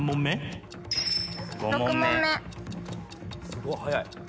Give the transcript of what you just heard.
すごい早い。